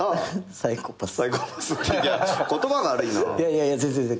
いやいや全然全然。